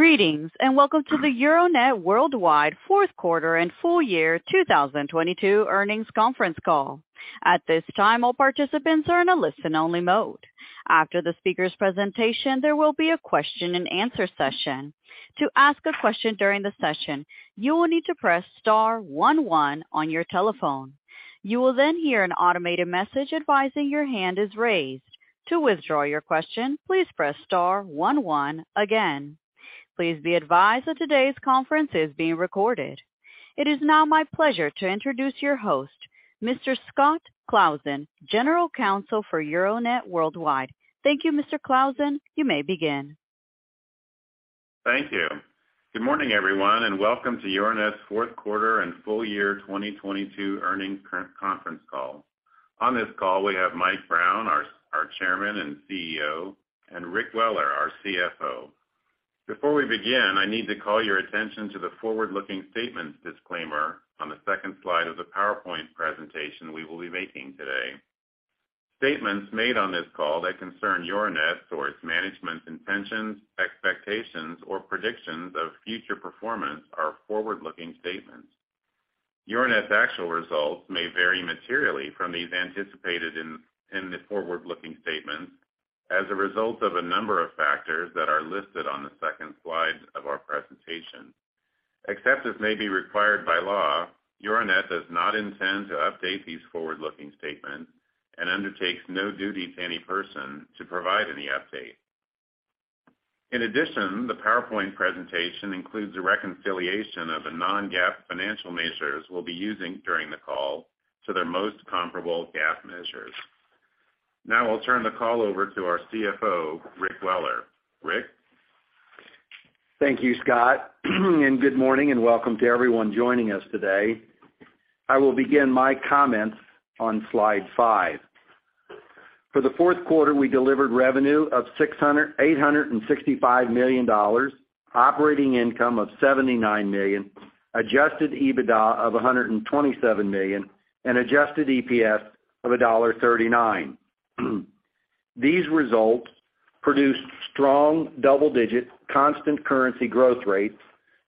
Greetings, welcome to the Euronet Worldwide fourth quarter and full year 2022 earnings conference call. At this time, all participants are in a listen-only mode. After the speaker's presentation, there will be a question-and-answer session. To ask a question during the session, you will need to press star one one on your telephone. You will hear an automated message advising your hand is raised. To withdraw your question, please press star one one again. Please be advised that today's conference is being recorded. It is now my pleasure to introduce your host, Mr. Scott Claassen, General Counsel for Euronet Worldwide. Thank you, Mr. Claassen. You may begin. Thank you. Good morning, everyone, welcome to Euronet's fourth quarter and full year 2022 earnings conference call. On this call, we have Mike Brown, our Chairman and CEO, and Rick Weller, our CFO. Before we begin, I need to call your attention to the forward-looking statements disclaimer on the second slide of the PowerPoint presentation we will be making today. Statements made on this call that concern Euronet or its management's intentions, expectations, or predictions of future performance are forward-looking statements. Euronet's actual results may vary materially from these anticipated in the forward-looking statements as a result of a number of factors that are listed on the second slide of our presentation. Except as may be required by law, Euronet does not intend to update these forward-looking statements and undertakes no duty to any person to provide any update. In addition, the PowerPoint presentation includes a reconciliation of the non-GAAP financial measures we'll be using during the call to their most comparable GAAP measures. Now, I'll turn the call over to our CFO, Rick Weller. Rick? Thank you, Scott. Good morning and welcome to everyone joining us today. I will begin my comments on slide 5. For the fourth quarter, we delivered revenue of $865 million, operating income of $79 million, adjusted EBITDA of $127 million, and adjusted EPS of $1.39. These results produced strong double-digit constant currency growth rates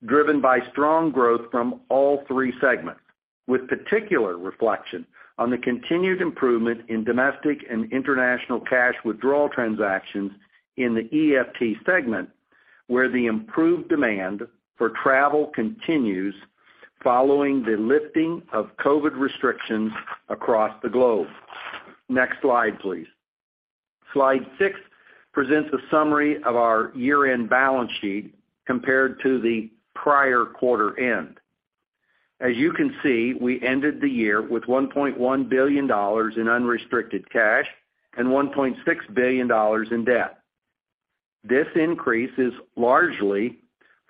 driven by strong growth from all three segments, with particular reflection on the continued improvement in domestic and international cash withdrawal transactions in the EFT segment, where the improved demand for travel continues following the lifting of COVID restrictions across the globe. Next slide, please. Slide 6 presents a summary of our year-end balance sheet compared to the prior quarter end. As you can see, we ended the year with $1.1 billion in unrestricted cash and $1.6 billion in debt. This increase is largely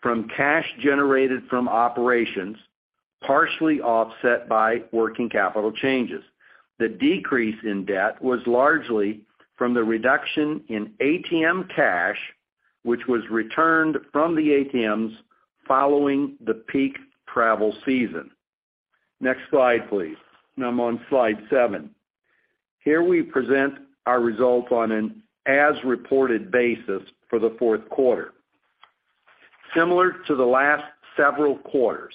from cash generated from operations, partially offset by working capital changes. The decrease in debt was largely from the reduction in ATM cash, which was returned from the ATMs following the peak travel season. Next slide, please. Now I'm on slide 7. Here we present our results on an as-reported basis for the fourth quarter. Similar to the last several quarters,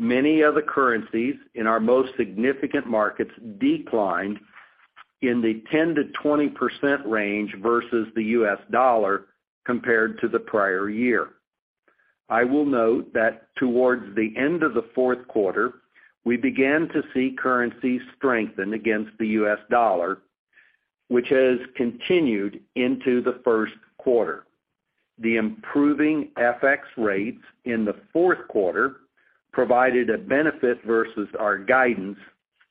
many of the currencies in our most significant markets declined in the 10%-20% range versus the U.S. dollar compared to the prior year. I will note that towards the end of the fourth quarter, we began to see currencies strengthen against the US dollar, which has continued into the first quarter. The improving FX rates in the fourth quarter provided a benefit versus our guidance,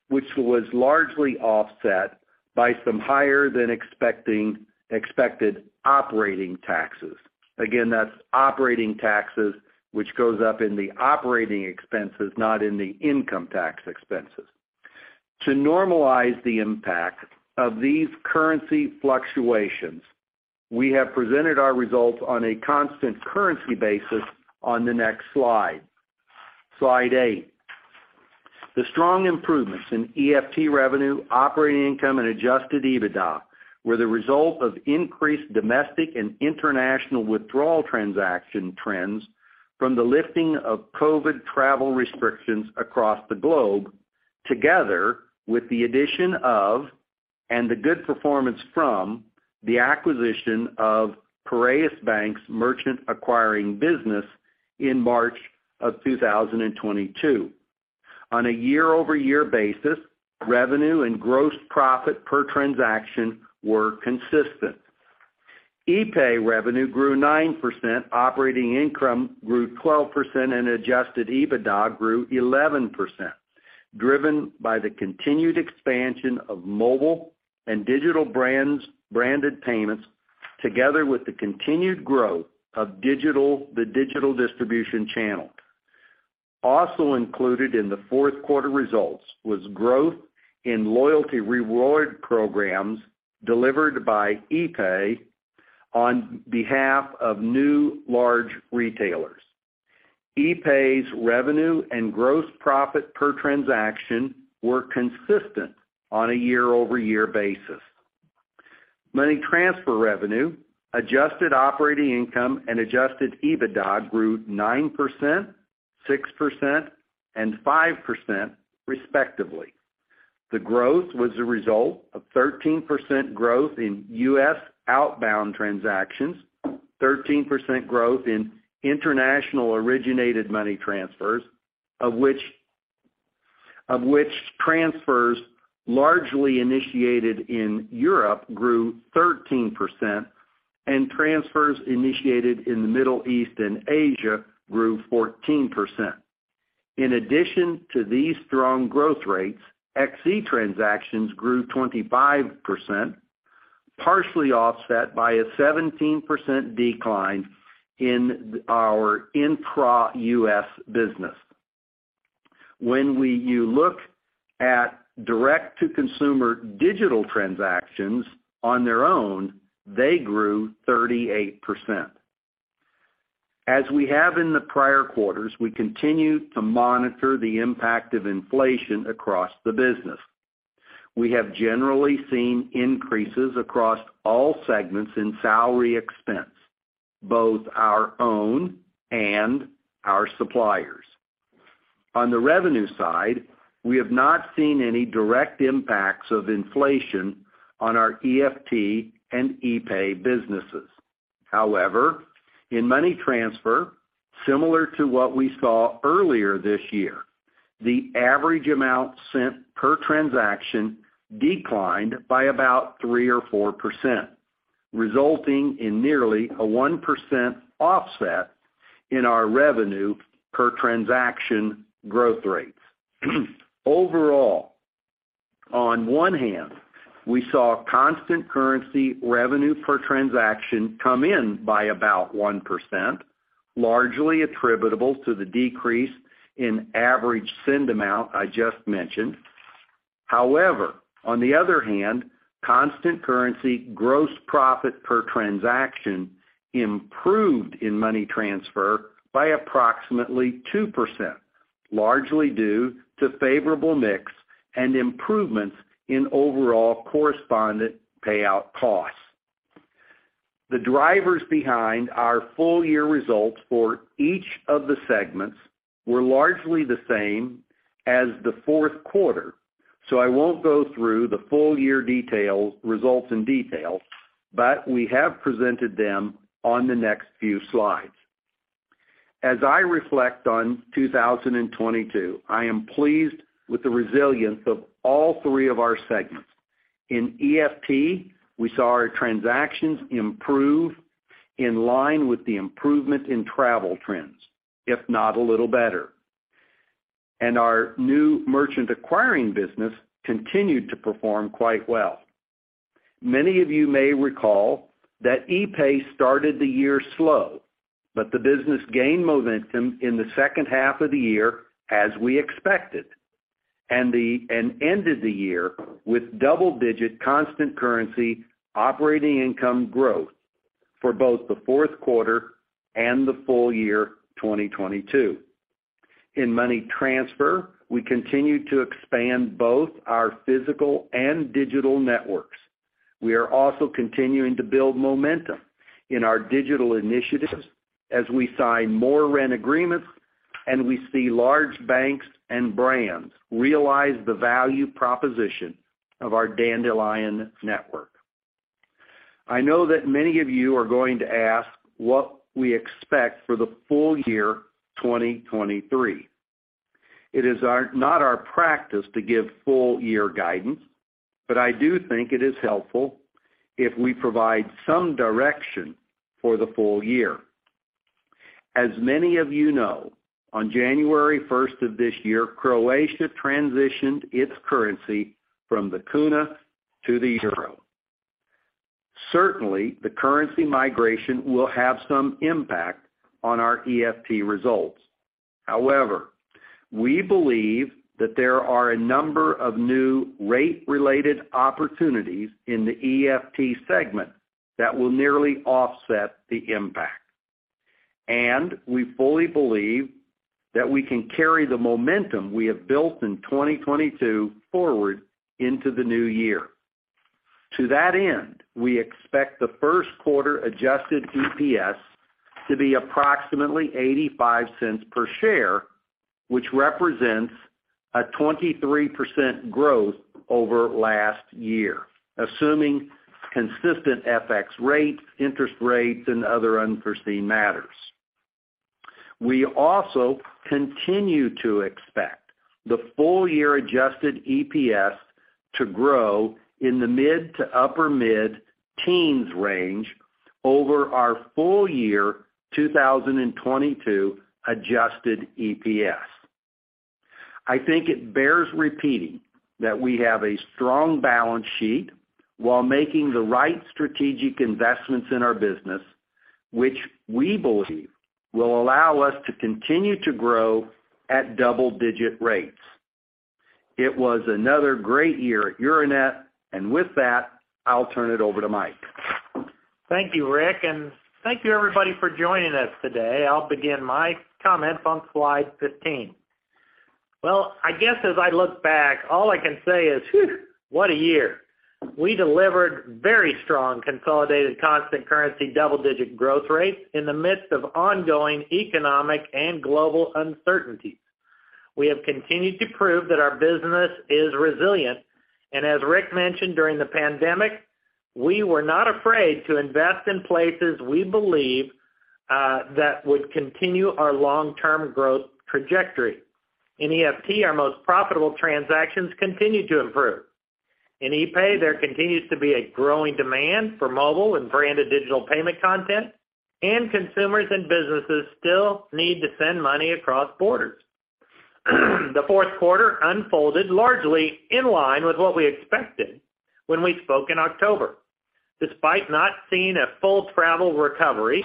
which was largely offset by some higher than expected operating taxes. That's operating taxes, which goes up in the operating expenses, not in the income tax expenses. To normalize the impact of these currency fluctuations, we have presented our results on a constant currency basis on the next slide 8. The strong improvements in EFT revenue, operating income, and adjusted EBITDA were the result of increased domestic and international withdrawal transaction trends from the lifting of COVID travel restrictions across the globe, together with the addition of and the good performance from the acquisition of Piraeus Bank's merchant acquiring business in March of 2022. On a year-over-year basis, revenue and gross profit per transaction were consistent. epay revenue grew 9%, operating income grew 12%, and adjusted EBITDA grew 11%, driven by the continued expansion of mobile and digital branded payments together with the continued growth of the digital distribution channel. Also included in the fourth quarter results was growth in loyalty reward programs delivered by epay on behalf of new large retailers. epay's revenue and gross profit per transaction were consistent on a year-over-year basis. Money transfer revenue, adjusted operating income and adjusted EBITDA grew 9%, 6% and 5% respectively. The growth was a result of 13% growth in U.S. outbound transactions, 13% growth in international originated money transfers, of which transfers largely initiated in Europe grew 13% and transfers initiated in the Middle East and Asia grew 14%. In addition to these strong growth rates, Xe transactions grew 25%, partially offset by a 17% decline in our intra-U.S. business. You look at direct-to-consumer digital transactions on their own, they grew 38%. As we have in the prior quarters, we continue to monitor the impact of inflation across the business. We have generally seen increases across all segments in salary expense, both our own and our suppliers. On the revenue side, we have not seen any direct impacts of inflation on our EFT and epay businesses. In money transfer, similar to what we saw earlier this year, the average amount sent per transaction declined by about 3% or 4%, resulting in nearly a 1% offset in our revenue per transaction growth rates. Overall, on one hand, we saw constant currency revenue per transaction come in by about 1%, largely attributable to the decrease in average send amount I just mentioned. However, on the other hand, constant currency gross profit per transaction improved in money transfer by approximately 2%, largely due to favorable mix and improvements in overall correspondent payout costs. The drivers behind our full year results for each of the segments were largely the same as the fourth quarter. I won't go through the full year details, results in detail, but we have presented them on the next few slides. As I reflect on 2022, I am pleased with the resilience of all three of our segments. In EFT, we saw our transactions improve in line with the improvement in travel trends, if not a little better. Our new merchant acquiring business continued to perform quite well. Many of you may recall that epay started the year slow, but the business gained momentum in the second half of the year, as we expected, and ended the year with double-digit constant currency operating income growth for both the fourth quarter and the full year 2022. In money transfer, we continued to expand both our physical and digital networks. We are also continuing to build momentum in our digital initiatives as we sign more Ren agreements and we see large banks and brands realize the value proposition of our Dandelion network. I know that many of you are going to ask what we expect for the full year 2023. It is not our practice to give full year guidance, I do think it is helpful if we provide some direction for the full year. As many of you know, on January 1 of this year, Croatia transitioned its currency from the kuna to the euro. Certainly, the currency migration will have some impact on our EFT results. However, we believe that there are a number of new rate-related opportunities in the EFT segment that will nearly offset the impact. We fully believe that we can carry the momentum we have built in 2022 forward into the new year. To that end, we expect the 1st quarter adjusted EPS to be approximately $0.85 per share, which represents a 23% growth over last year, assuming consistent FX rates, interest rates, and other unforeseen matters. We also continue to expect the full year adjusted EPS to grow in the mid to upper mid teens range over our full year 2022 adjusted EPS. I think it bears repeating that we have a strong balance sheet while making the right strategic investments in our business, which we believe will allow us to continue to grow at double-digit rates. It was another great year at Euronet. With that, I'll turn it over to Mike. Thank you, Rick, and thank you everybody for joining us today. I'll begin my comments on slide 15. Well, I guess as I look back, all I can say is, phew, what a year. We delivered very strong consolidated constant currency double-digit growth rates in the midst of ongoing economic and global uncertainties. We have continued to prove that our business is resilient. As Rick mentioned during the pandemic, we were not afraid to invest in places we believe that would continue our long-term growth trajectory. In EFT, our most profitable transactions continued to improve. In epay, there continues to be a growing demand for mobile and branded digital payment content, and consumers and businesses still need to send money across borders. The fourth quarter unfolded largely in line with what we expected when we spoke in October. Despite not seeing a full travel recovery,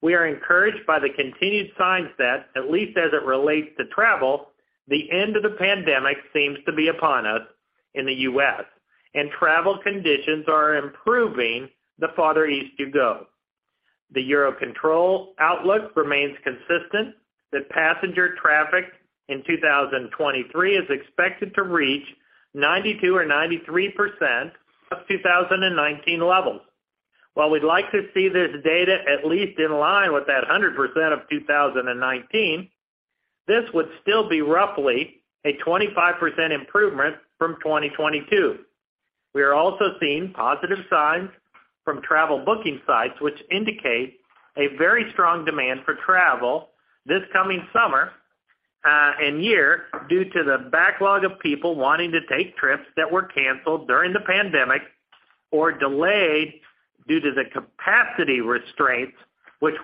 we are encouraged by the continued signs that, at least as it relates to travel, the end of the pandemic seems to be upon us in the U.S., and travel conditions are improving the farther east you go. The EUROCONTROL outlook remains consistent that passenger traffic in 2023 is expected to reach 92% or 93% of 2019 levels. While we'd like to see this data at least in line with that 100% of 2019, this would still be roughly a 25% improvement from 2022. We are also seeing positive signs from travel booking sites, which indicate a very strong demand for travel this coming summer and year due to the backlog of people wanting to take trips that were canceled during the pandemic or delayed due to the capacity restraints, which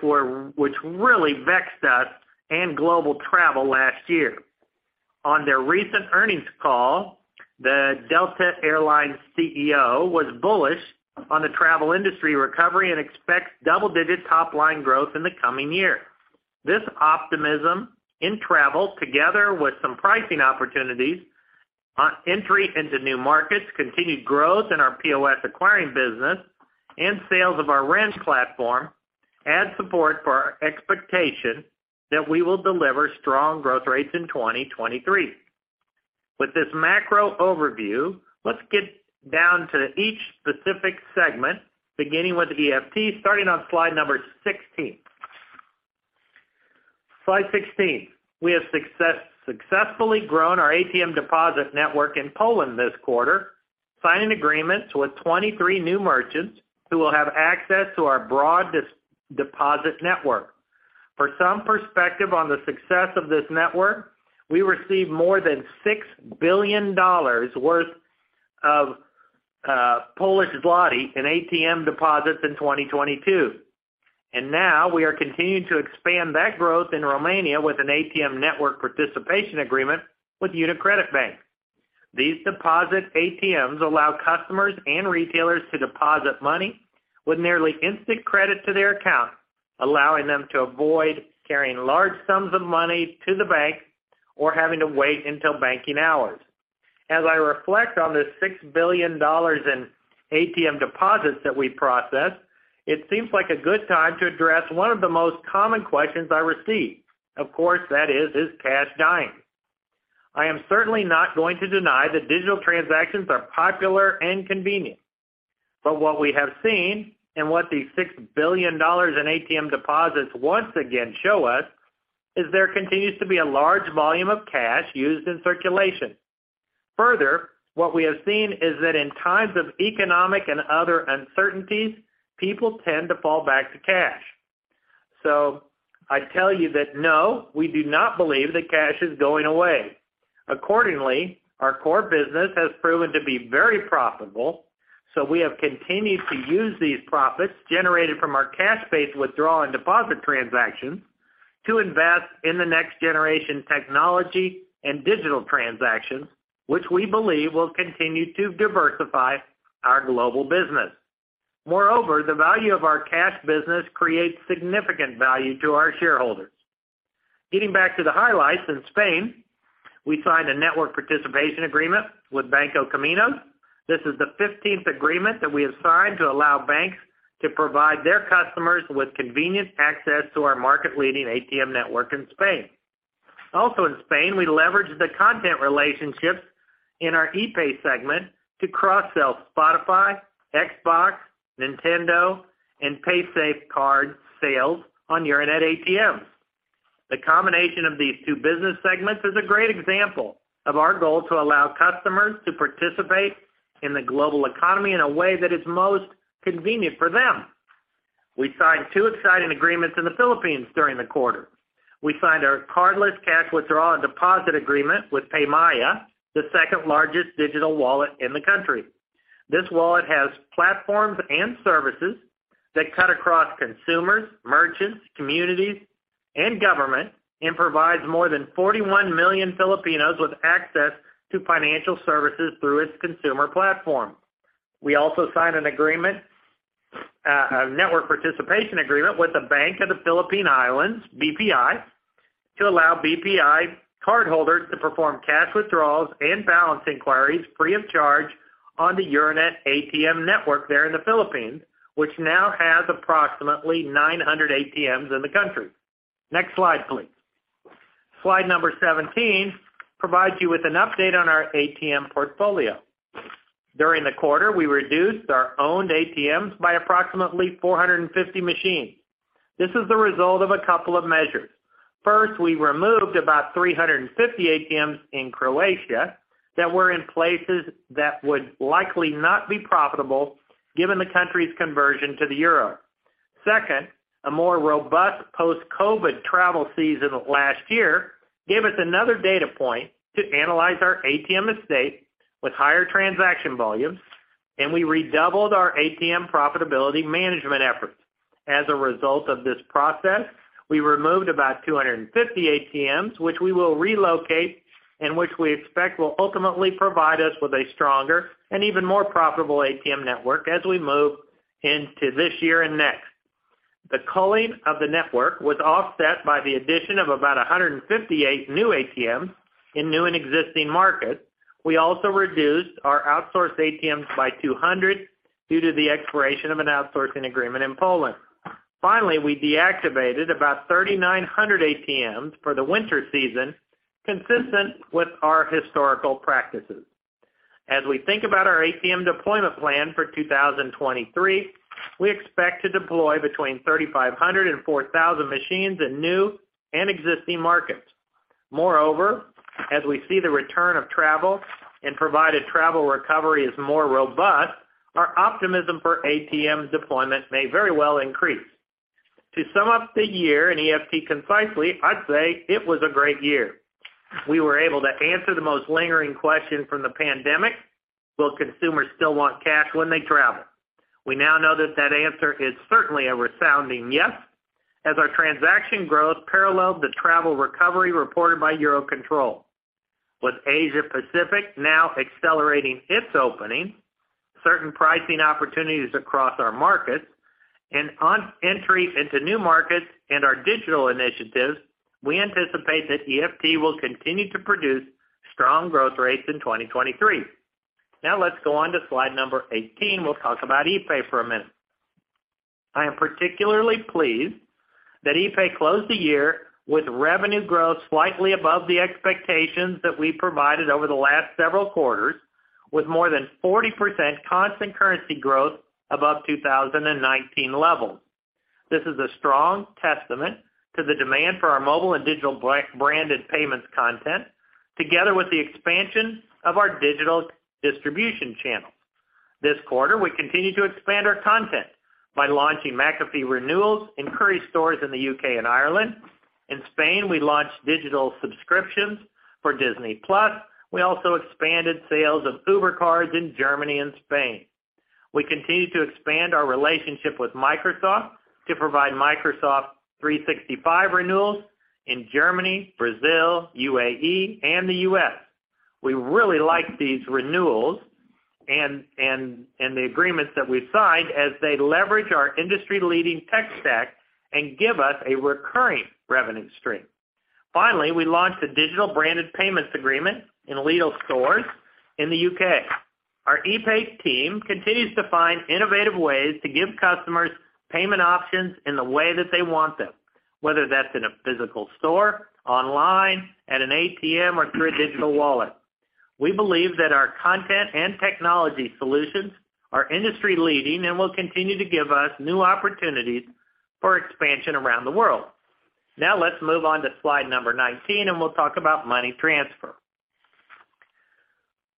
really vexed us and global travel last year. On their recent earnings call, the Delta Air Lines CEO was bullish on the travel industry recovery and expects double-digit top-line growth in the coming year. This optimism in travel, together with some pricing opportunities on entry into new markets, continued growth in our POS acquiring business and sales of our Ren platform add support for our expectation that we will deliver strong growth rates in 2023. With this macro overview, let's get down to each specific segment, beginning with EFT, starting on slide number 16. Slide 16. We have successfully grown our ATM deposit network in Poland this quarter, signing agreements with 23 new merchants who will have access to our broad deposit network. For some perspective on the success of this network, we received more than $6 billion worth of Polish zloty in ATM deposits in 2022. Now we are continuing to expand that growth in Romania with an ATM network participation agreement with UniCredit Bank. These deposit ATMs allow customers and retailers to deposit money with nearly instant credit to their account, allowing them to avoid carrying large sums of money to the bank or having to wait until banking hours. As I reflect on the $6 billion in ATM deposits that we processed, it seems like a good time to address one of the most common questions I receive. Of course that is cash dying? I am certainly not going to deny that digital transactions are popular and convenient. What we have seen, and what these $6 billion in ATM deposits once again show us, is there continues to be a large volume of cash used in circulation. Further, what we have seen is that in times of economic and other uncertainties, people tend to fall back to cash. I tell you that, no, we do not believe that cash is going away. Our core business has proven to be very profitable, so we have continued to use these profits generated from our cash-based withdrawal and deposit transactions to invest in the next-generation technology and digital transactions, which we believe will continue to diversify our global business. The value of our cash business creates significant value to our shareholders. Getting back to the highlights in Spain, we signed a network participation agreement with Banco Caminos. This is the 15th agreement that we have signed to allow banks to provide their customers with convenient access to our market-leading ATM network in Spain. Also in Spain, we leveraged the content relationships in our epay segment to cross-sell Spotify, Xbox, Nintendo, and paysafecard sales on Euronet ATMs. The combination of these two business segments is a great example of our goal to allow customers to participate in the global economy in a way that is most convenient for them. We signed two exciting agreements in the Philippines during the quarter. We signed our cardless cash withdrawal and deposit agreement with PayMaya, the second-largest digital wallet in the country. This wallet has platforms and services that cut across consumers, merchants, communities, and government, and provides more than 41 million Filipinos with access to financial services through its consumer platform. We also signed an agreement, a network participation agreement with the Bank of the Philippine Islands, BPI. To allow BPI cardholders to perform cash withdrawals and balance inquiries free of charge on the Euronet ATM network there in the Philippines, which now has approximately 900 ATMs in the country. Next slide, please. Slide number 17 provides you with an update on our ATM portfolio. During the quarter, we reduced our owned ATMs by approximately 450 machines. This is the result of a couple of measures. First, we removed about 350 ATMs in Croatia that were in places that would likely not be profitable given the country's conversion to the euro. A more robust post-COVID travel season last year gave us another data point to analyze our ATM estate with higher transaction volumes. We redoubled our ATM profitability management efforts. As a result of this process, we removed about 250 ATMs, which we will relocate and which we expect will ultimately provide us with a stronger and even more profitable ATM network as we move into this year and next. The culling of the network was offset by the addition of about 158 new ATMs in new and existing markets. We also reduced our outsourced ATMs by 200 due to the expiration of an outsourcing agreement in Poland. We deactivated about 3,900 ATMs for the winter season, consistent with our historical practices. As we think about our ATM deployment plan for 2023, we expect to deploy between 3,500 and 4,000 machines in new and existing markets. Moreover, as we see the return of travel and provided travel recovery is more robust, our optimism for ATM deployment may very well increase. To sum up the year in EFT concisely, I'd say it was a great year. We were able to answer the most lingering question from the pandemic: Will consumers still want cash when they travel? We now know that that answer is certainly a resounding yes, as our transaction growth paralleled the travel recovery reported by EUROCONTROL. With Asia-Pacific now accelerating its opening, certain pricing opportunities across our markets and on entry into new markets and our digital initiatives, we anticipate that EFT will continue to produce strong growth rates in 2023. Let's go on to slide number 18. We'll talk about epay for a minute. I am particularly pleased that epay closed the year with revenue growth slightly above the expectations that we provided over the last several quarters, with more than 40% constant currency growth above 2019 levels. This is a strong testament to the demand for our mobile and digital branded payments content, together with the expansion of our digital distribution channels. This quarter, we continued to expand our content by launching McAfee renewals in Currys stores in the U.K. and Ireland. In Spain, we launched digital subscriptions for Disney+. We also expanded sales of Uber cards in Germany and Spain. We continued to expand our relationship with Microsoft to provide Microsoft 365 renewals in Germany, Brazil, UAE, and the U.S. We really like these renewals and the agreements that we've signed as they leverage our industry-leading tech stack and give us a recurring revenue stream. Finally, we launched a digital branded payments agreement in Lidl stores in the U.K. Our epay team continues to find innovative ways to give customers payment options in the way that they want them, whether that's in a physical store, online, at an ATM or through a digital wallet. We believe that our content and technology solutions are industry-leading and will continue to give us new opportunities for expansion around the world. Let's move on to slide number 19, and we'll talk about Money Transfer.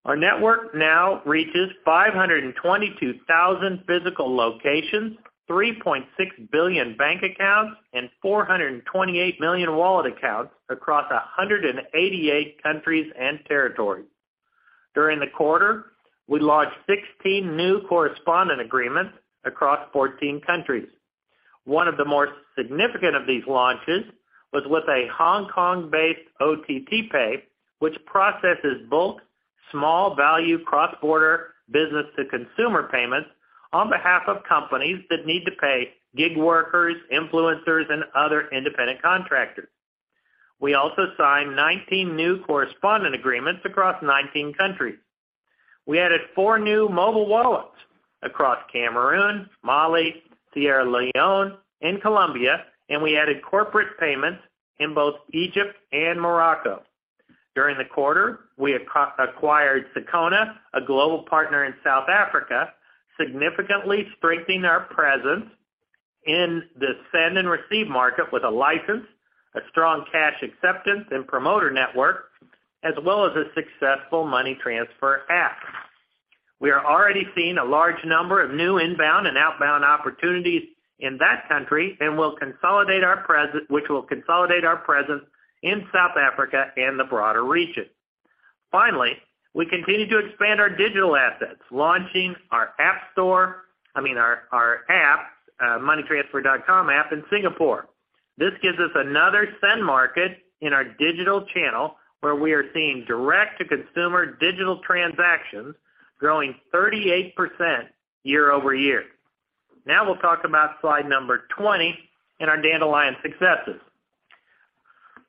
Our network now reaches 522,000 physical locations, 3.6 billion bank accounts and 428 million wallet accounts across 188 countries and territories. During the quarter, we launched 16 new correspondent agreements across 14 countries. One of the more significant of these launches was with a Hong Kong-based OTT Pay, which processes both small value cross-border business-to-consumer payments on behalf of companies that need to pay gig workers, influencers, and other independent contractors. We also signed 19 new correspondent agreements across 19 countries. We added 4 new mobile wallets across Cameroon, Mali, Sierra Leone, and Colombia, and we added corporate payments in both Egypt and Morocco. During the quarter, we acquired Sikhona, a global partner in South Africa, significantly strengthening our presence in the send and receive market with a license, a strong cash acceptance and promoter network, as well as a successful money transfer app. We are already seeing a large number of new inbound and outbound opportunities in that country which will consolidate our presence in South Africa and the broader region. Finally, we continue to expand our digital assets, launching, I mean, our app, moneytransfer.com app in Singapore. This gives us another send market in our digital channel where we are seeing direct-to-consumer digital transactions growing 38% year-over-year. We'll talk about slide 20 and our Dandelion successes.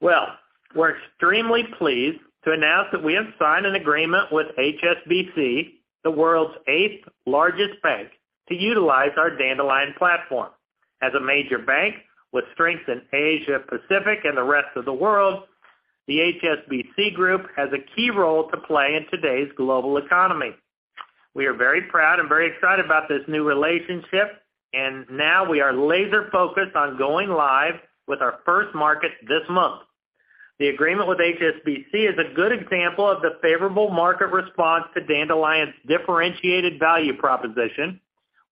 Well, we're extremely pleased to announce that we have signed an agreement with HSBC, the world's eighth-largest bank, to utilize our Dandelion platform. As a major bank with strength in Asia Pacific and the rest of the world, the HSBC Group has a key role to play in today's global economy. We are very proud and very excited about this new relationship, now we are laser-focused on going live with our first market this month. The agreement with HSBC is a good example of the favorable market response to Dandelion's differentiated value proposition,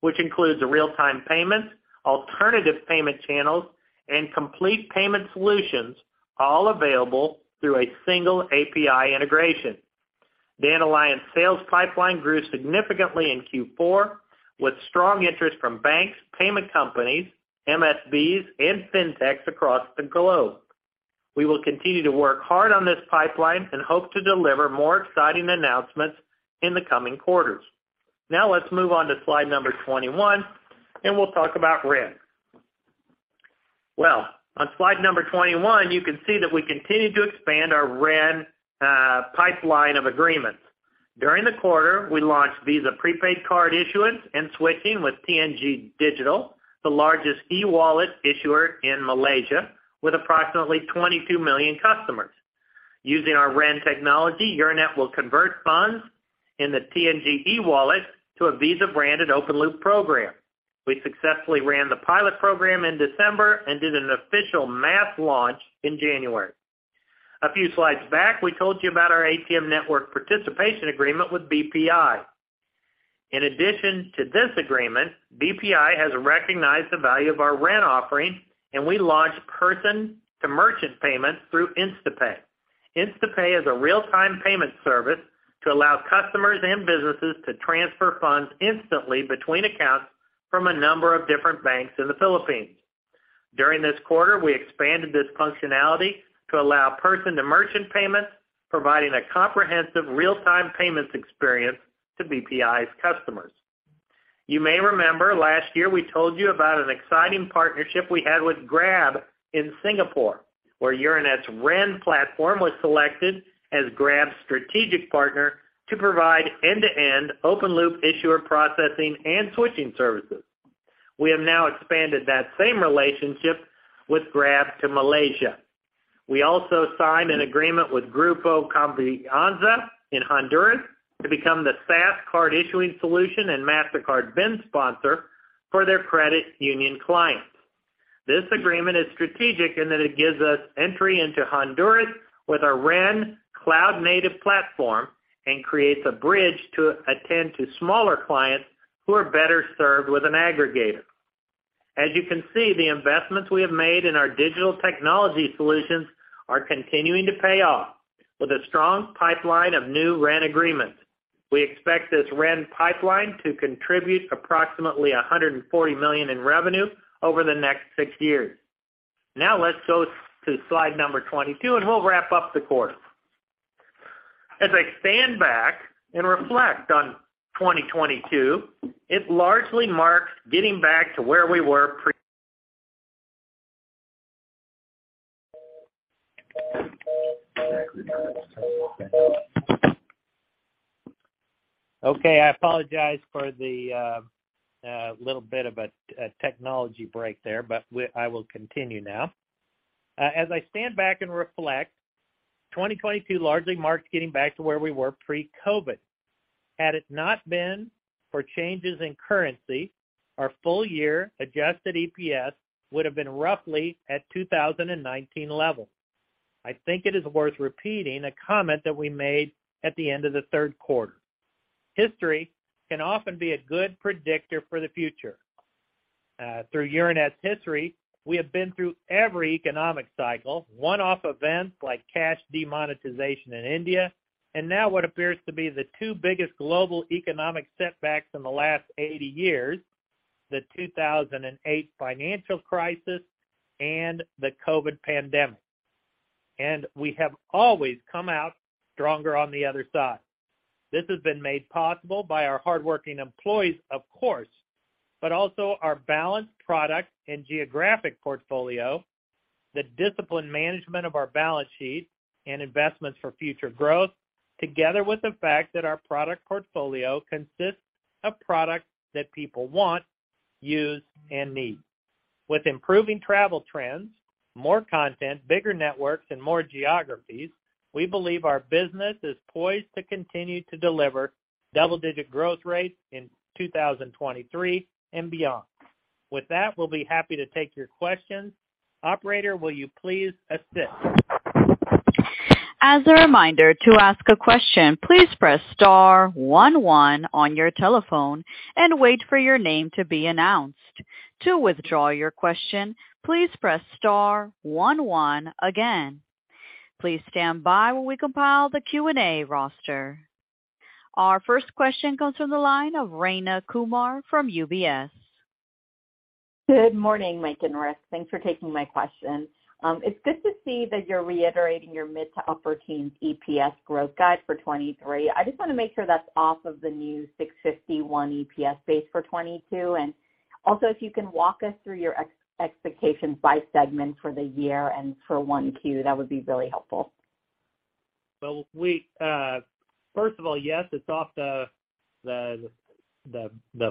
which includes real-time payments, alternative payment channels, and complete payment solutions, all available through a single API integration. Dandelion's sales pipeline grew significantly in Q4, with strong interest from banks, payment companies, MSBs, and FinTechs across the globe. We will continue to work hard on this pipeline hope to deliver more exciting announcements in the coming quarters. Let's move on to slide number 21, we'll talk about Ren. On slide number 21, you can see that we continue to expand our Ren pipeline of agreements. During the quarter, we launched Visa prepaid card issuance and switching with TNG Digital, the largest e-wallet issuer in Malaysia with approximately 22 million customers. Using our REN technology, Euronet will convert funds in the TNG e-wallet to a Visa-branded open loop program. We successfully ran the pilot program in December and did an official mass launch in January. A few slides back, we told you about our ATM network participation agreement with BPI. In addition to this agreement, BPI has recognized the value of our REN offering, and we launched person-to-merchant payments through InstaPay. InstaPay is a real-time payment service to allow customers and businesses to transfer funds instantly between accounts from a number of different banks in the Philippines. During this quarter, we expanded this functionality to allow person-to-merchant payments, providing a comprehensive real-time payments experience to BPI's customers. You may remember last year we told you about an exciting partnership we had with Grab in Singapore, where Euronet's Ren platform was selected as Grab's strategic partner to provide end-to-end open loop issuer processing and switching services. We have now expanded that same relationship with Grab to Malaysia. We also signed an agreement with Grupo Confianza in Honduras to become the SaaS card issuing solution and Mastercard BIN sponsor for their credit union clients. This agreement is strategic in that it gives us entry into Honduras with our Ren cloud-native platform and creates a bridge to attend to smaller clients who are better served with an aggregator. As you can see, the investments we have made in our digital technology solutions are continuing to pay off with a strong pipeline of new Ren agreements. We expect this Ren pipeline to contribute approximately $140 million in revenue over the next six years. Let's go to slide number 22, and we'll wrap up the quarter. As I stand back and reflect on 2022, it largely marks getting back to where we were. Okay, I apologize for the little bit of a technology break there, but I will continue now. As I stand back and reflect, 2022 largely marks getting back to where we were pre-COVID. Had it not been for changes in currency, our full year adjusted EPS would have been roughly at 2019 levels. I think it is worth repeating a comment that we made at the end of the third quarter. History can often be a good predictor for the future. Through Euronet's history, we have been through every economic cycle, one-off events like cash demonetization in India, and now what appears to be the two biggest global economic setbacks in the last 80 years: the 2008 financial crisis and the COVID pandemic. We have always come out stronger on the other side. This has been made possible by our hardworking employees, of course, but also our balanced product and geographic portfolio, the disciplined management of our balance sheet and investments for future growth, together with the fact that our product portfolio consists of products that people want, use, and need. With improving travel trends, more content, bigger networks, and more geographies, we believe our business is poised to continue to deliver double-digit growth rates in 2023 and beyond. With that, we'll be happy to take your questions. Operator, will you please assist? As a reminder, to ask a question, please press star one one on your telephone and wait for your name to be announced. To withdraw your question, please press star one one again. Please stand by while we compile the Q&A roster. Our first question comes from the line of Rayna Kumar from UBS. Good morning, Mike and Rick. Thanks for taking my question. It's good to see that you're reiterating your mid to upper teens EPS growth guide for 2023. I just wanna make sure that's off of the new $6.51 EPS base for 2022. Also, if you can walk us through your expectations by segment for the year and for 1Q, that would be really helpful. Well, we, first of all, yes, it's off the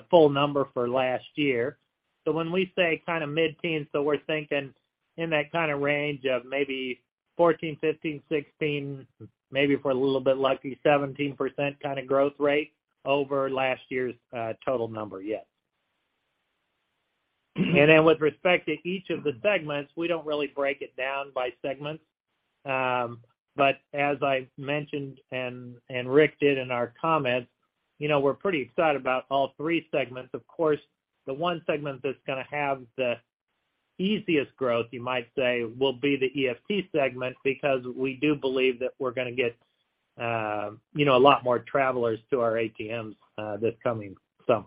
full number for last year. When we say kind of mid-teen, so we're thinking in that kind of range of maybe 14%, 15%, 16%, maybe if we're a little bit lucky, 17% kind of growth rate over last year's total number, yes. With respect to each of the segments, we don't really break it down by segments. But as I've mentioned and Rick did in our comments, you know, we're pretty excited about all three segments. Of course, the one segment that's gonna have the easiest growth, you might say, will be the EFT segment because we do believe that we're gonna get a lot more travelers to our ATMs this coming summer.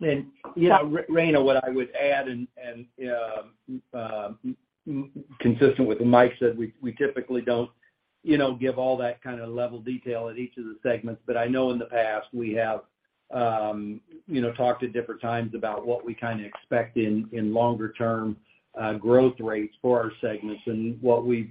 You know, Rayna, what I would add and consistent with what Mike said, we typically don't, you know, give all that kind of level detail at each of the segments. I know in the past we have, you know, talked at different times about what we kinda expect in longer term growth rates for our segments. What we've,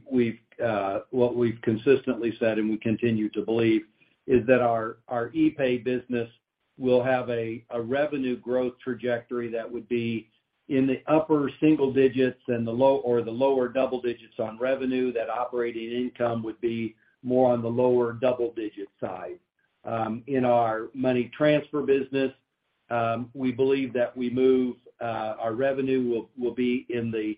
what we've consistently said, and we continue to believe, is that our epay business will have a revenue growth trajectory that would be in the upper single digits and the low, or the lower double digits on revenue, that operating income would be more on the lower double digit side. In our money transfer business, we believe that we move our revenue will be in the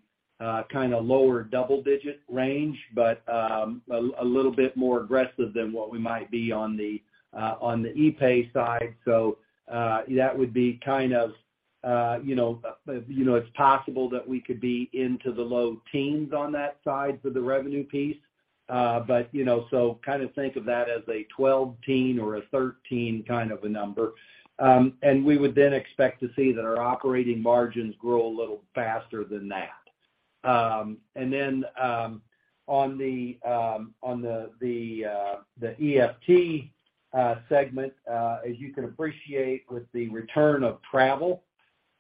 kinda lower double digit range, but a little bit more aggressive than what we might be on the epay side. That would be kind of you know, you know, it's possible that we could be into the low teens on that side for the revenue piece. You know, kind of think of that as a 12%-13% a number. We would expect to see that our operating margins grow a little faster than that. On the EFT segment, as you can appreciate with the return of travel,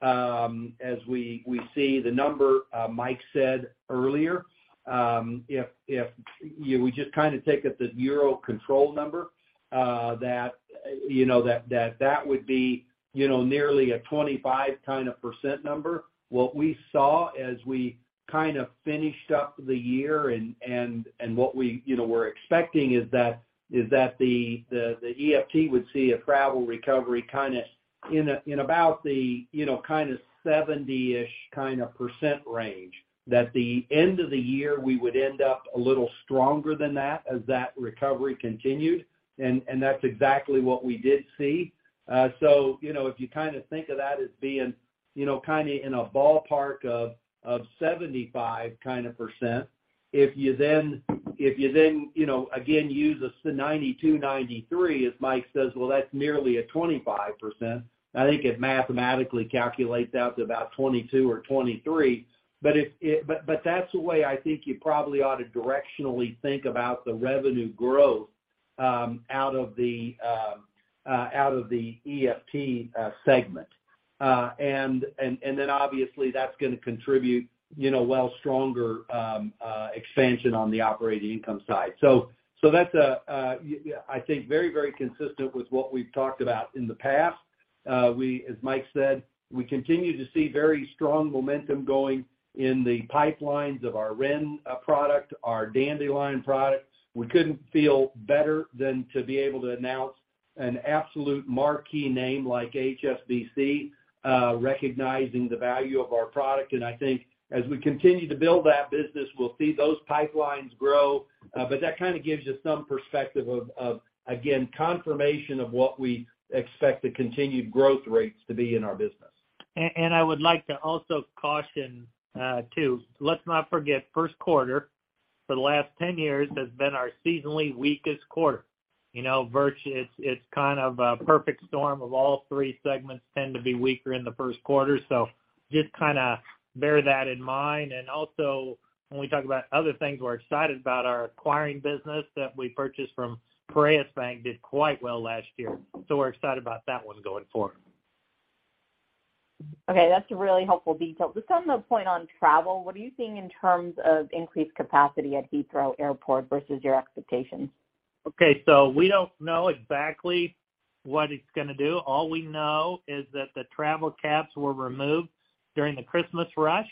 as we see the number Mike said earlier, if, you know, we just kind of take at the EUROCONTROL number, that, you know, that would be, you know, nearly a 25% number. We saw as we kind of finished up the year and what we, you know, were expecting is that the EFT would see a travel recovery in about the, you know, kind of 70%-ish kind of % range. At the end of the year, we would end up a little stronger than that as that recovery continued. That's exactly what we did see. You know, if you kind of think of that as being, you know, kind of in a ballpark of 75%. If you then, you know, again, use 92, 93, as Mike Brown says, well, that's nearly a 25%. I think it mathematically calculates out to about 22 or 23. If, but that's the way I think you probably ought to directionally think about the revenue growth out of the EFT segment. And then obviously that's gonna contribute, you know, well stronger expansion on the operating income side. So that's I think very consistent with what we've talked about in the past. We, as Mike said, we continue to see very strong momentum going in the pipelines of our Ren product, our Dandelion products. We couldn't feel better than to be able to announce an absolute marquee name like HSBC, recognizing the value of our product. I think as we continue to build that business, we'll see those pipelines grow. That kind of gives you some perspective, confirmation of what we expect the continued growth rates to be in our business. I would like to also caution, too. Let's not forget, first quarter for the last 10 years has been our seasonally weakest quarter. It's a perfect storm of all three segments tend to be weaker in the first quarter. Just kinda bear that in mind. Also, when we talk about other things we're excited about, our acquiring business that we purchased from Piraeus Bank did quite well last year. We're excited about that one going forward. Okay. That's a really helpful detail. Just on the point on travel, what are you seeing in terms of increased capacity at Heathrow Airport versus your expectations? Okay. We don't know exactly what it's gonna do. All we know is that the travel caps were removed during the Christmas rush.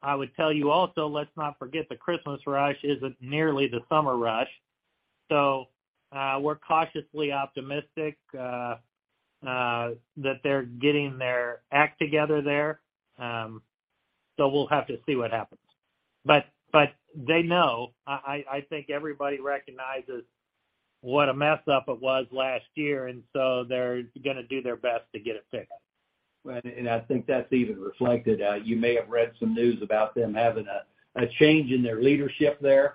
I would tell you also, let's not forget the Christmas rush isn't nearly the summer rush. We're cautiously optimistic that they're getting their act together there. We'll have to see what happens. They know. I think everybody recognizes what a mess up it was last year, they're gonna do their best to get it fixed. Right. I think that's even reflected. You may have read some news about them having a change in their leadership there.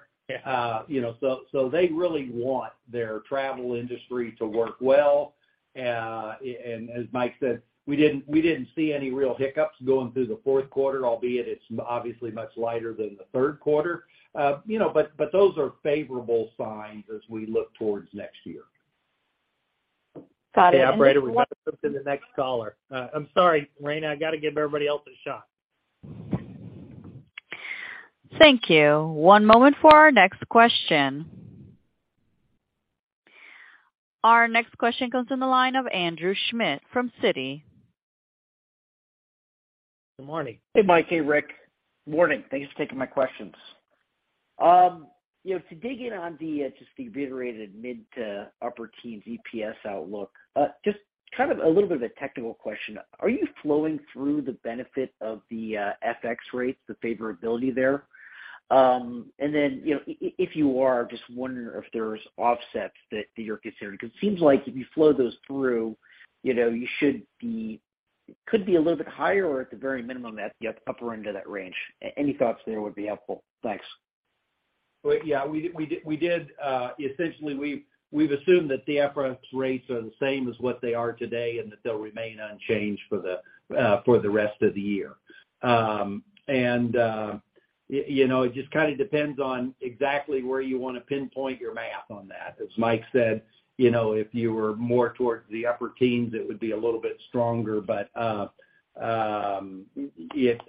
You know, so they really want their travel industry to work well. As Mike said, we didn't see any real hiccups going through the fourth quarter, albeit it's obviously much lighter than the third quarter. You know, but those are favorable signs as we look towards next year. Got it. Okay, operator, we're gonna move to the next caller. I'm sorry, Rayna, I gotta give everybody else a shot. Thank you. One moment for our next question. Our next question comes from the line of Andrew Schmidt from Citi. Good morning. Hey, Mike. Hey, Rick. Morning. Thanks for taking my questions. You know, to dig in on the just the reiterated mid to upper teens EPS outlook, just kind of a little bit of a technical question. Are you flowing through the benefit of the FX rates, the favorability there? You know, if you are, just wondering if there are offsets that you're considering? 'Cause it seems like if you flow those through, you know, you could be a little bit higher or at the very minimum at the upper end of that range. Any thoughts there would be helpful. Thanks. Well, yeah, we did essentially we've assumed that the FX rates are the same as what they are today and that they'll remain unchanged for the rest of the year. It just kinda depends on exactly where you wanna pinpoint your math on that. As Mike said if you were more towards the upper teens, it would be a little bit stronger. It,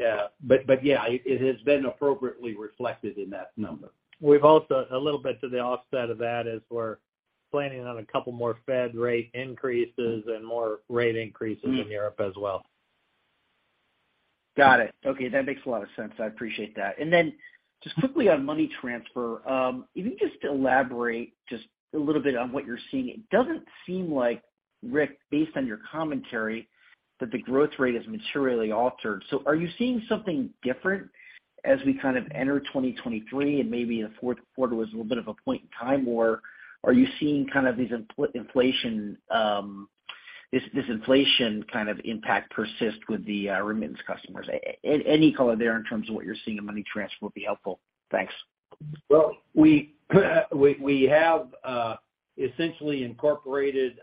but yeah, it has been appropriately reflected in that number. We've also, a little bit to the offset of that as we're planning on a couple more fed rate increases and more rate increases in Europe as well. Got it. Okay, that makes a lot of sense. I appreciate that. Just quickly on money transfer, if you can just elaborate just a little bit on what you're seeing. It doesn't seem like, Rick, based on your commentary, that the growth rate is materially altered. Are you seeing something different as we kind of enter 2023 and maybe the fourth quarter was a little bit of a point in time? Or are you seeing these inflation, this inflation kind of impact persist with the remittance customers? Any color there in terms of what you're seeing in money transfer would be helpful. Thanks. We have essentially incorporated,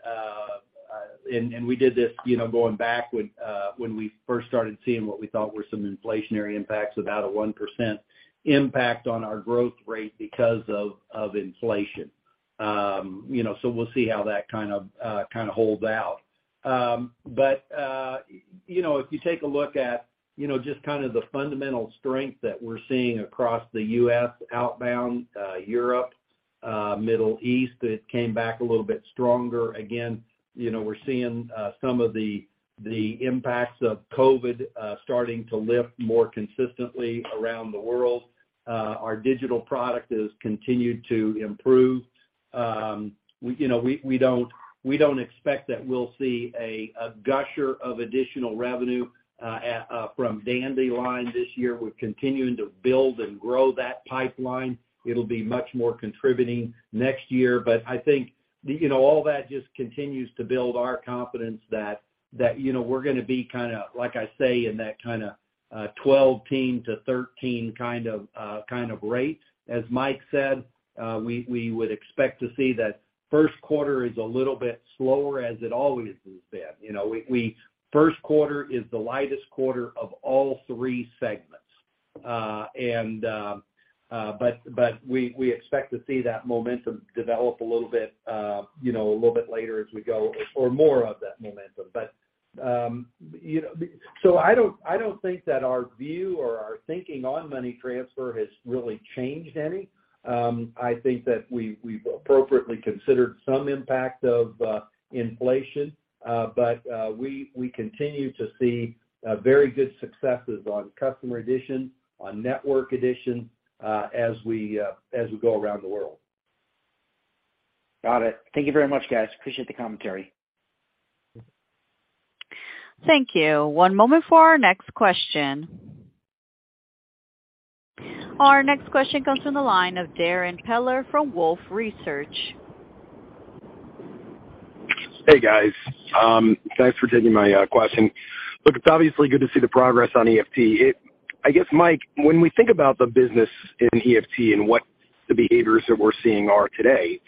and we did this, you know, going back when we first started seeing what we thought were some inflationary impacts, about a 1% impact on our growth rate because of inflation. You know, we'll see how that holds out. If you take a look at just the fundamental strength that we're seeing across the U.S. outbound, Europe, Middle East, it came back a little bit stronger. Again, you know, we're seeing some of the impacts of COVID starting to lift more consistently around the world. Our digital product has continued to improve. we, you know, we don't expect that we'll see a gusher of additional revenue from Dandelion this year. We're continuing to build and grow that pipeline. It'll be much more contributing next year. I think, you know, all that just continues to build our confidence that we're gonna be like I say, in that kinda, 12 team to 13 kind of rate. As Mike said, we would expect to see that first quarter is a little bit slower as it always has been. You know, first quarter is the lightest quarter of all three segments. We expect to see that momentum develop a little bit, you know, a little bit later as we go or more of that momentum. You know, I don't think that our view or our thinking on money transfer has really changed any. I think that we've appropriately considered some impact of inflation, but we continue to see very good successes on customer addition, on network addition, as we go around the world. Got it. Thank you very much, guys. Appreciate the commentary. Thank you. One moment for our next question. Our next question comes from the line of Darrin Peller from Wolfe Research. Hey, guys. thanks for taking my question. It's obviously good to see the progress on EFT. I guess, Mike, when we think about the business in EFT and what the behaviors that we're seeing are today,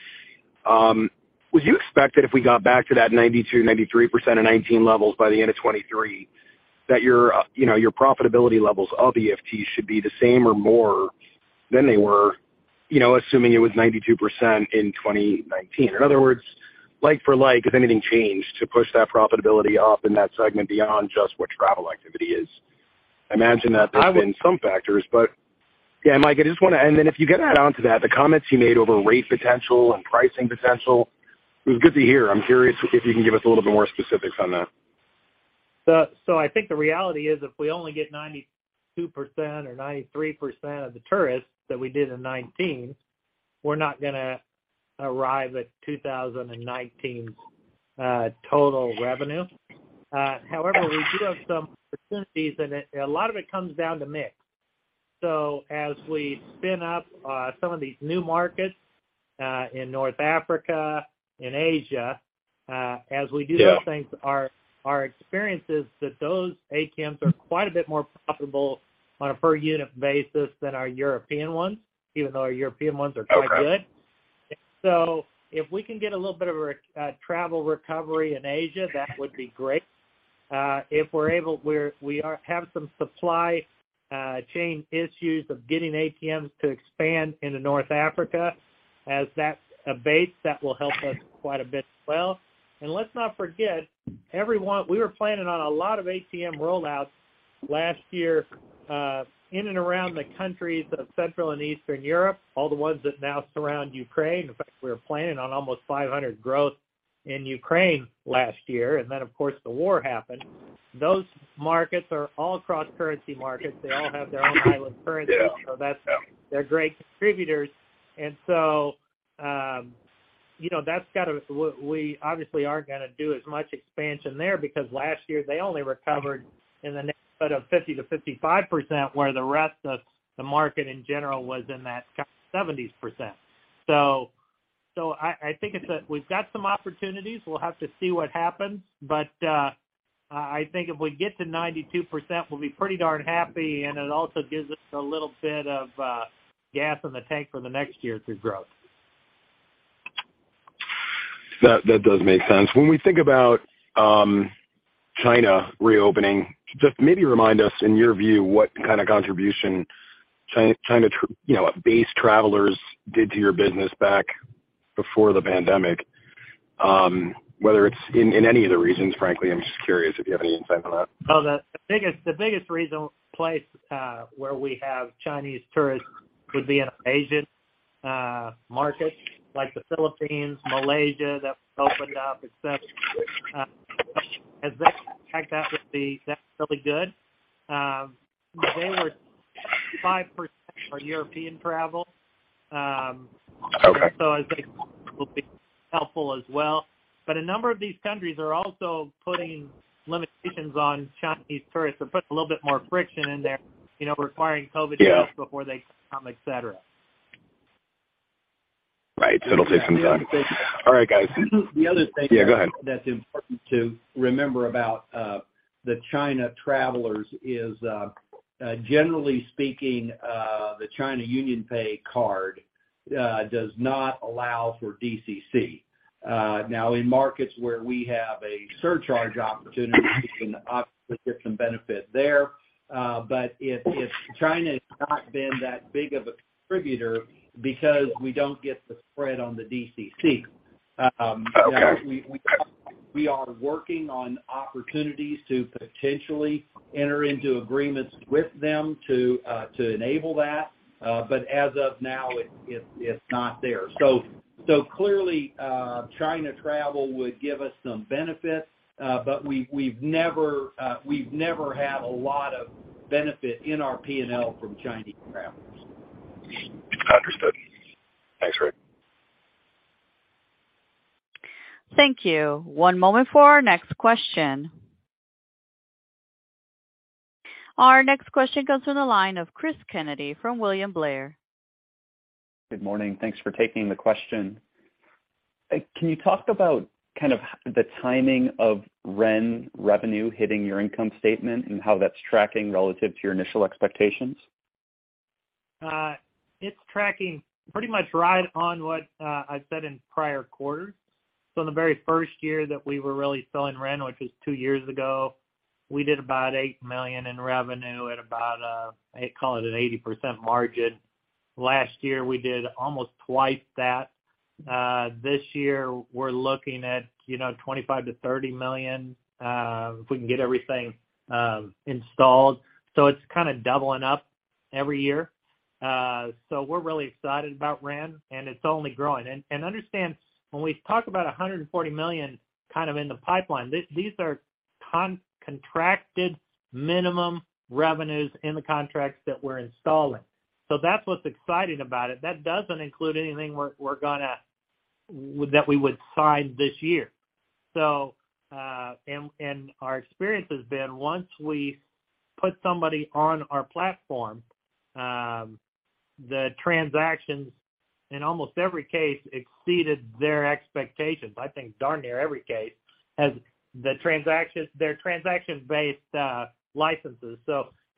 would you expect that if we got back to that 92%, 93% of 2019 levels by the end of 2023, that your profitability levels of EFT should be the same or more than they were assuming it was 92% in 2019? In other words, like for like, has anything changed to push that profitability up in that segment beyond just what travel activity is? I imagine that there's been some factors, but... Mike, if you can add on to that, the comments you made over rate potential and pricing potential, it was good to hear. I'm curious if you can give us a little bit more specifics on that. I think the reality is if we only get 92% or 93% of the tourists that we did in 19, we're not gonna arrive at 2019's total revenue. However, we do have some percentages, and a lot of it comes down to mix. As we spin up some of these new markets in North Africa, in Asia, as we do those things- Yeah. Our experience is that those ACMs are quite a bit more profitable on a per unit basis than our European ones, even though our European ones are quite good. If we can get a little bit of travel recovery in Asia, that would be great. If we are able, we have some supply chain issues of getting ATMs to expand into North Africa as that abates, that will help us quite a bit as well. Let's not forget, everyone, we were planning on a lot of ATM rollouts last year, in and around the countries of Central and Eastern Europe, all the ones that now surround Ukraine. In fact, we were planning on almost 500 growth in Ukraine last year, and then of course, the war happened. Those markets are all cross-currency markets. They all have their own island currency. Yeah. That's, they're great contributors. You know, we obviously aren't gonna do as much expansion there because last year they only recovered in the neighborhood of 50%-55%, where the rest of the market in general was in that kind of 70%. I think we've got some opportunities. We'll have to see what happens. I think if we get to 92%, we'll be pretty darn happy, and it also gives us a little bit of gas in the tank for the next year to grow. That does make sense. When we think about China reopening, just maybe remind us, in your view, what kind of contribution China, you know, base travelers did to your business back before the pandemic. Whether it's in any of the reasons, frankly, I'm just curious if you have any insight on that. The biggest reason place where we have Chinese tourists would be in Asian markets like the Philippines, Malaysia, that's opened up, et cetera. As that comes back, that's really good. They were 5% of our European travel. Okay. I think it will be helpful as well. A number of these countries are also putting limitations on Chinese tourists. They're putting a little bit more friction in there requiring COVID shots. Yeah. before they come, et cetera. Right. It'll take some time. All right, guys. The other thing. Yeah, go ahead. That's important to remember about the China travelers is, generally speaking, the China UnionPay card does not allow for DCC. Now in markets where we have a surcharge opportunity, we can obviously get some benefit there. If China has not been that big of a contributor because we don't get the spread on the DCC. Okay. We are working on opportunities to potentially enter into agreements with them to enable that. As of now, it's not there. Clearly, China travel would give us some benefit, but we've never had a lot of benefit in our P&L from Chinese travelers. Understood. Thanks, Rick. Thank you. One moment for our next question. Our next question comes from the line of Cristopher Kennedy from William Blair. Good morning. Thanks for taking the question. Can you talk about kind of the timing of Ren revenue hitting your income statement and how that's tracking relative to your initial expectations? It's tracking pretty much right on what I said in prior quarters. In the very first year that we were really selling Ren, which was two years ago, we did about $8 million in revenue at about, call it an 80% margin. Last year, we did almost twice that. This year we're looking at, you know, $25 million-$30 million, if we can get everything installed. It's kinda doubling up every year. We're really excited about Ren, and it's only growing. Understand, when we talk about $140 million kind of in the pipeline, these are contracted minimum revenues in the contracts that we're installing. That's what's exciting about it. That doesn't include anything we're gonna that we would sign this year. Our experience has been once we put somebody on our platform, the transactions in almost every case exceeded their expectations. I think darn near every case as the transactions they're transactions-based licenses.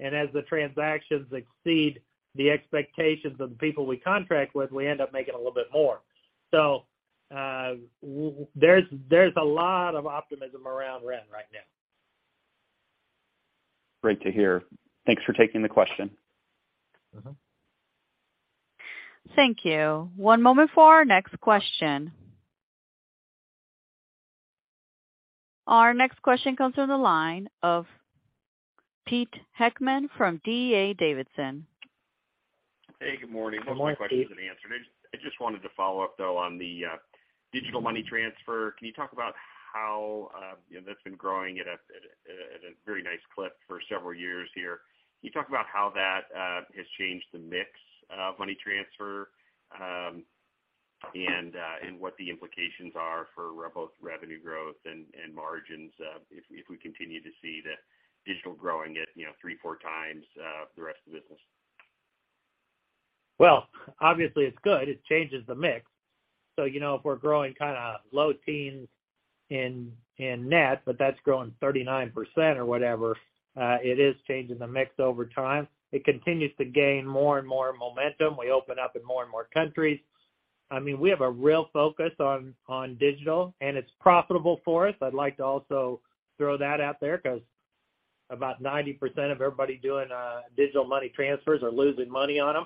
As the transactions exceed the expectations of the people we contract with, we end up making a little bit more. There's a lot of optimism around Ren right now. Great to hear. Thanks for taking the question. Mm-hmm. Thank you. One moment for our next question. Our next question comes from the line of Peter Heckmann from D.A. Davidson. Hey, good morning. Good morning, Pete. Most of my questions have been answered. I just wanted to follow up, though, on the digital money transfer. Can you talk about how, that's been growing at a very nice clip for several years here. Can you talk about how that has changed the mix of money transfer and what the implications are for both revenue growth and margins if we continue to see the digital growing at, 3x, 4x the rest of the business? Well, obviously it's good. It changes the mix. You know, if we're growing kind of low teens in net, but that's growing 39% or whatever. It is changing the mix over time. It continues to gain more and more momentum. We open up in more and more countries. I mean, we have a real focus on digital, and it's profitable for us. I'd like to also throw that out there because about 90% of everybody doing digital money transfers are losing money on them.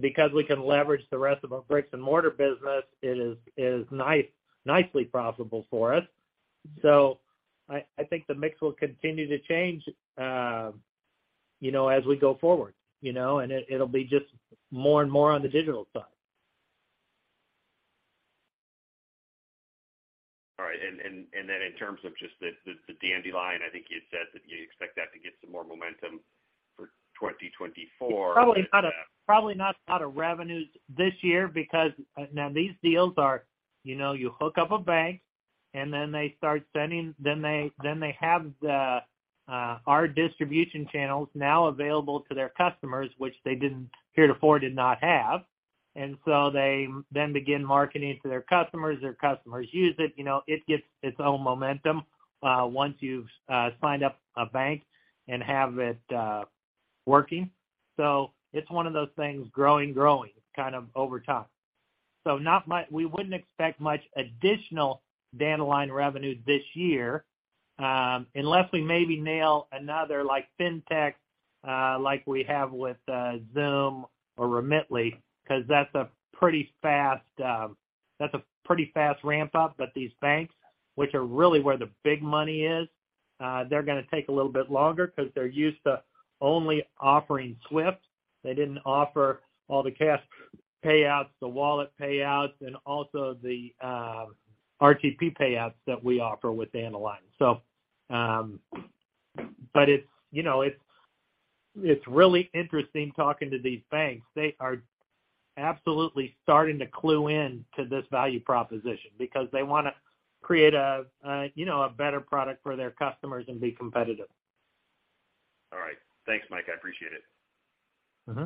Because we can leverage the rest of our bricks and mortar business, it is nicely profitable for us. I think the mix will continue to change, you know, as we go forward, you know. It'll be just more and more on the digital side. All right. Then in terms of just the Dandelion, I think you said that you expect that to get some more momentum for 2024. Probably not a lot of revenues this year because these deals are, you know, you hook up a bank and then they start sending. Then they have our distribution channels now available to their customers, which they didn't. Peer-to-peer did not have. They then begin marketing to their customers. Their customers use it, you know. It gets its own momentum once you've signed up a bank and have it working. It's one of those things growing, kind of over time. Not much. We wouldn't expect much additional Dandelion revenues this year unless we maybe nail another like FinTech, like we have with Xoom or Remitly, because that's a pretty fast, that's a pretty fast ramp-up. These banks, which are really where the big money is, they're gonna take a little bit longer because they're used to only offering SWIFT. They didn't offer all the cash payouts, the wallet payouts, and also the RTP payouts that we offer with Dandelion. It's, you know, it's really interesting talking to these banks. They are absolutely starting to clue in to this value proposition because they wanna create a, you know, a better product for their customers and be competitive. All right. Thanks, Mike. I appreciate it. Mm-hmm.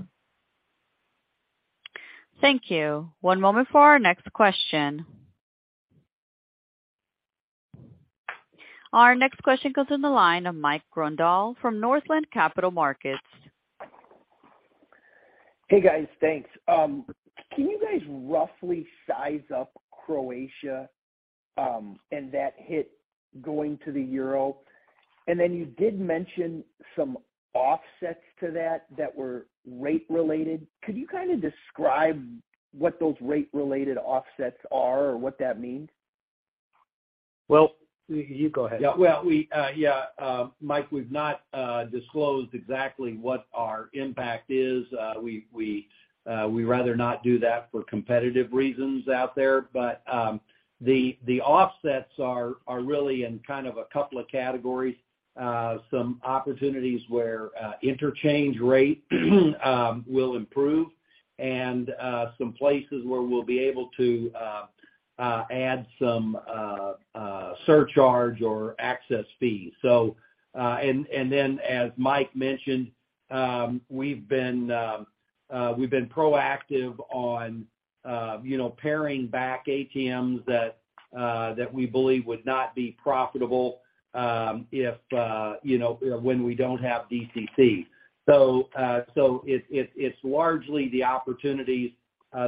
Thank you. One moment for our next question. Our next question comes from the line of Mike Grondahl from Northland Capital Markets. Hey, guys. Thanks. Can you guys roughly size up Croatia, and that hit going to the euro? Then you did mention some offsets to that that were rate-related. Could you describe what those rate-related offsets are or what that means? Well, you go ahead. Well, we, Mike, we've not disclosed exactly what our impact is. We rather not do that for competitive reasons out there. The offsets are really in kind of a couple of categories, some opportunities where interchange rate will improve and some places where we'll be able to add some surcharge or access fees. Then as Mike mentioned, we've been proactive on, you know, paring back ATMs that we believe would not be profitable, if, you know, when we don't have DCC. It's largely the opportunities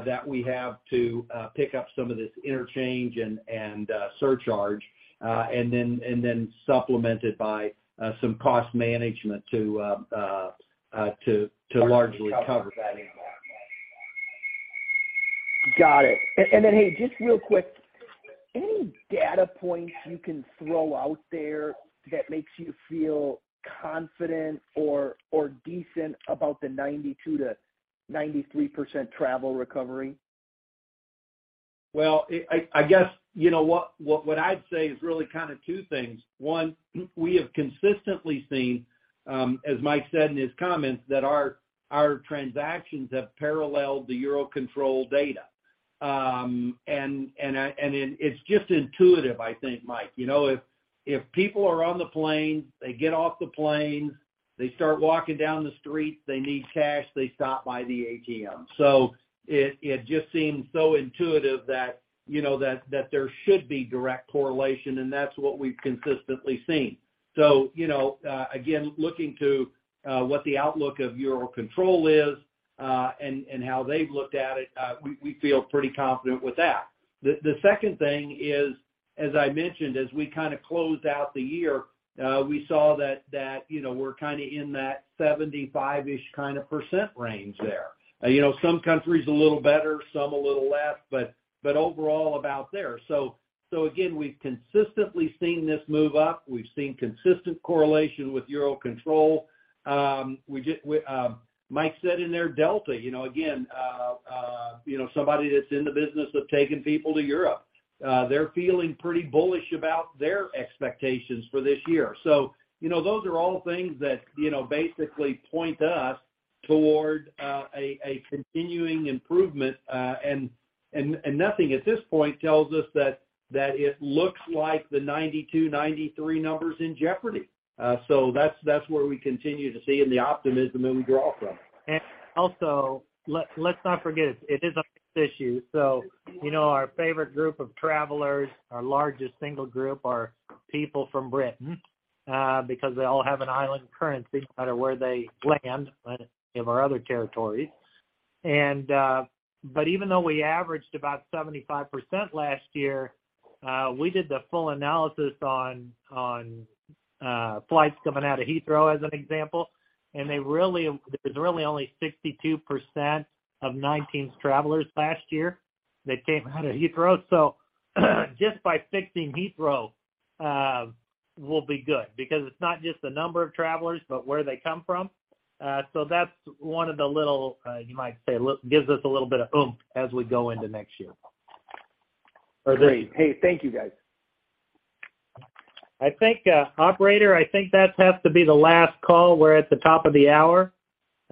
that we have to pick up some of this interchange and surcharge and then supplemented by some cost management to largely cover. Got it. Hey, just real quick. Any data points you can throw out there that makes you feel confident or decent about the 92%-93% travel recovery? I guess, you know what I'd say is really kind of two things. One, we have consistently seen, as Mike said in his comments, that our transactions have paralleled the EUROCONTROL data. It's just intuitive, I think, Mike. You know, if people are on the plane, they get off the plane, they start walking down the street, they need cash, they stop by the ATM. It just seems so intuitive that, you know, there should be direct correlation, and that's what we've consistently seen. Again, looking to what the outlook of EUROCONTROL is, and how they've looked at it, we feel pretty confident with that. The second thing is, as I mentioned, as we kinda closed out the year, we saw that, you know, we're kinda in that 75-ish kinda % range there. You know, some countries a little better, some a little less, but overall about there. Again, we've consistently seen this move up. We've seen consistent correlation with EUROCONTROL. Mike said in there, Delta, you know, again, somebody that's in the business of taking people to Europe, they're feeling pretty bullish about their expectations for this year. You know, those are all things that, you know, basically point us toward a continuing improvement. Nothing at this point tells us that it looks like the 92, 93 number's in jeopardy. That's where we continue to see and the optimism that we draw from. Also, let's not forget, it is a fixed issue. you know, our favorite group of travelers, our largest single group are people from Britain because they all have an island currency no matter where they land in our other territories. But even though we averaged about 75% last year, we did the full analysis on flights coming out of Heathrow as an example. it was really only 62% of 19's travelers last year that came out of Heathrow. Just by fixing Heathrow, we'll be good because it's not just the number of travelers, but where they come from. that's one of the little, you might say, little gives us a little bit of oomph as we go into next year. Great. Hey, thank you, guys. I think, operator, I think that has to be the last call. We're at the top of the hour.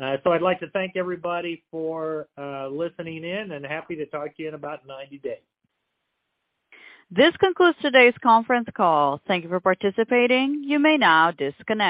I'd like to thank everybody for listening in and happy to talk to you in about 90 days. This concludes today's conference call. Thank you for participating. You may now disconnect.